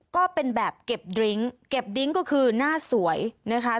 ก็เป็นแบบเก็บดริ้งเก็บดิ้งก็คือหน้าสวยนะคะ